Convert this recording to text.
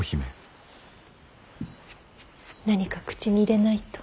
何か口に入れないと。